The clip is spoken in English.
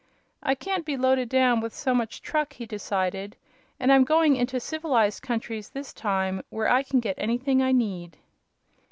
"I can't be loaded down with so much truck," he decided; "and I'm going into civilized countries, this time, where I can get anything I need."